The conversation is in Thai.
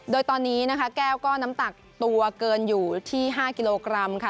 โดยตอนนี้นะคะแก้วก็น้ำหนักตัวเกินอยู่ที่๕กิโลกรัมค่ะ